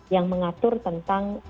yang mengatur tentang